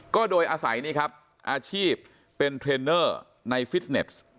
ก็โดยอาศัยนี่ครับอาชีพเป็นเทรนเนอร์ในฟิตเนส